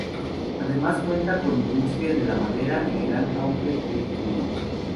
Además cuenta con industria de la madera y un gran auge del turismo.